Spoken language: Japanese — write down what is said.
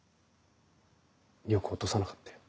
よく落とさなかったよ。